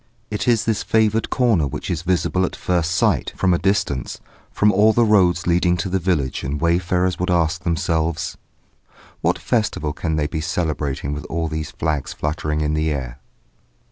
It is this favoured corner which is visible at first sight, from a distance, from all the roads leading to the village, and wayfarers would ask themselves: "What festival can they be celebrating with all those flags fluttering in the air?"